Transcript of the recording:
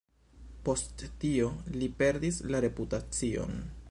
Post tio, li perdis la reputacion.